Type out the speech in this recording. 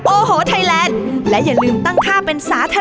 โอโหไทยแลนด์เย้